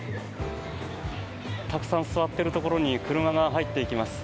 たくさん座っているところに車が入っていきます。